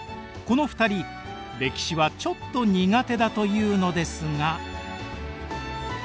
この２人歴史はちょっと苦手だというのですが。